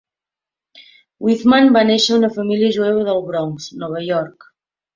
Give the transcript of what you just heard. Whitman va néixer a una família jueva del Bronx, Nova York.